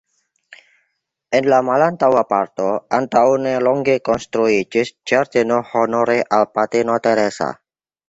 En la malantaŭa parto antaŭnelonge konstruiĝis ĝardeno honore al Patrino Teresa.